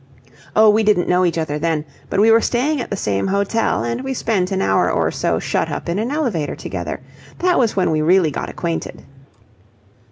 "Oh, we didn't know each other then. But we were staying at the same hotel, and we spent an hour or so shut up in an elevator together. That was when we really got acquainted."